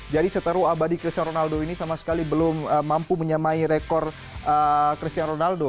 jadi seteru abadi cristiano ronaldo ini sama sekali belum mampu menyamai rekor cristiano ronaldo